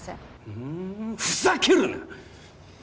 ふんふざけるな！